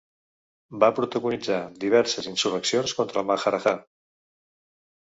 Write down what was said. Va protagonitzar diverses insurreccions contra el Maharajà.